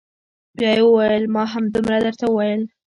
بيا يې وويل ما همدومره درته وويل.